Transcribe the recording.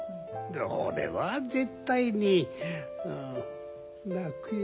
俺は絶対に泣くよ。